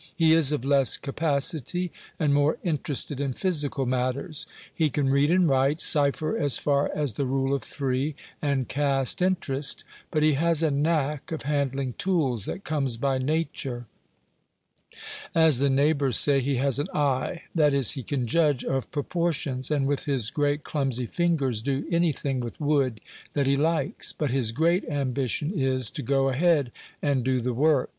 He is of less capacity, and more interested in physical matters. He can read and write, cipher as far as the "rule of three," and cast interest; but he has a knack of handling tools that comes by nature. As the neighbors say, he has an eye, that is, he can judge of proportions, and, with his great clumsy fingers, do anything with wood that he likes; but his great ambition is, to go ahead and do the work.